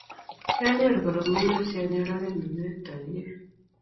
Kianyoru koromindo si anyor oret ne kiwektoegei